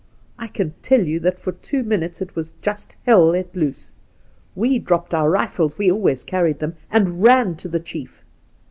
I can tell you that for two minutes it was just hell let loose. We dropped our rifles — we always carried them — and ran to the chief.